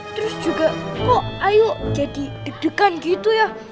terus juga kok ayo jadi deg degan gitu ya